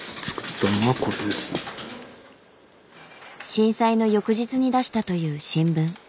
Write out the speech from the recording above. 震災の翌日に出したという新聞。